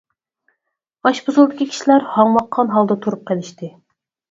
ئاشپۇزۇلدىكى كىشىلەر ھاڭۋاققان ھالدا تۇرۇپ قېلىشتى.